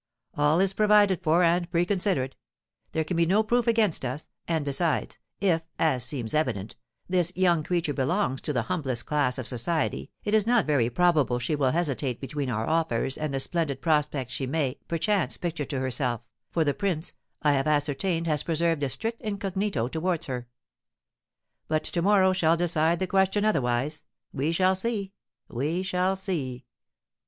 All is provided for and preconsidered, there can be no proof against us, and, besides, if, as seems evident, this young creature belongs to the humblest class of society it is not very probable she will hesitate between our offers and the splendid prospect she may, perchance, picture to herself, for the prince, I have ascertained, has preserved a strict incognito towards her. But to morrow shall decide the question otherwise, we shall see, we shall see."